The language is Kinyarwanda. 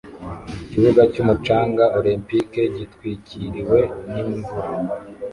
Ikibuga cyumucanga olempike gitwikiriwe nimvura